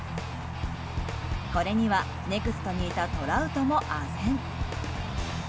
これにはネクストにいたトラウトもあぜん。